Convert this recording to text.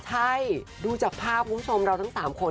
ใช่ดูจากภาพคุณผู้ชมเราทั้ง๓คน